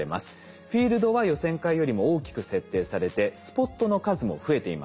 フィールドは予選会よりも大きく設定されてスポットの数も増えています。